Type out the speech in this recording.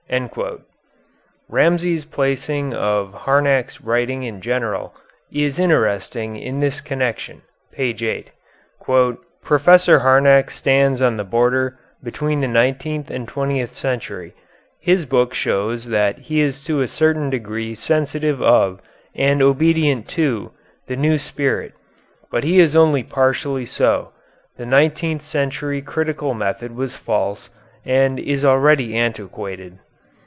Ramsay's placing of Harnack's writing in general is interesting in this connection. (P. 8) "Professor Harnack stands on the border between the nineteenth and twentieth century. His book shows that he is to a certain degree sensitive of and obedient to the new spirit; but he is only partially so. The nineteenth century critical method was false, and is already antiquated....